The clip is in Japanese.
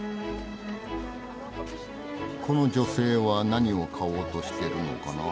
この女性は何を買おうとしてるのかな？